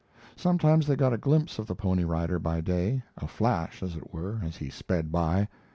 Sometimes they got a glimpse of the ponyrider by day a flash, as it were, as he sped by.